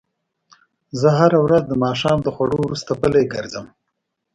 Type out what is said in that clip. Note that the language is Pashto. زه هره ورځ د ماښام د خوړو وروسته پلۍ ګرځم